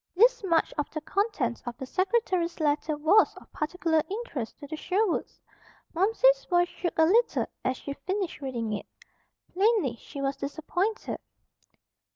This much of the contents of the secretary's letter was of particular interest to the Sherwoods. Momsey's voice shook a little as she finished reading it. Plainly she was disappointed.